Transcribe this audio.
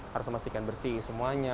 harus memastikan bersih semuanya